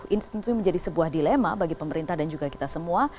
ini tentunya menjadi sebuah dilema bagi pemerintah dan juga kita semua